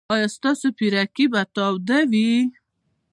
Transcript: ایا ستاسو پیرکي به تاوده وي؟